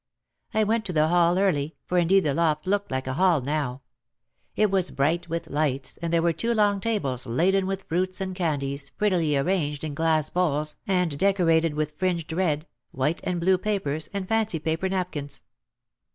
I went to the hall early, for indeed the loft looked like a hall now. It was bright with lights and there were two long tables laden with fruits and candies prettily arranged in glass bowls and decorated with fringed red, white and blue papers and fancy paper napkins.